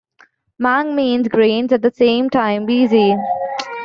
"Mang" means grains at the same time busy.